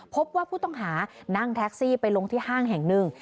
พบว่าผู้ต้องหานั่งแท็กซี่ไปลงที่ห้างแห่งหนึ่ง